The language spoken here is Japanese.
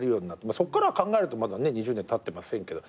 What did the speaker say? そっから考えるとまだね２０年たってませんけど。